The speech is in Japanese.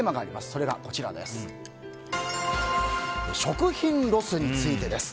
それが食品ロスについてです。